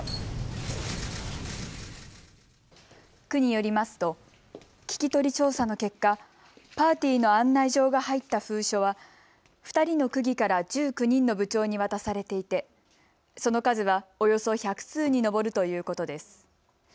区によりますと聞き取り調査の結果、パーティーの案内状が入った封書は２人の区議から１９人の部長に渡されていてその数は、およそ１００通に上るということです。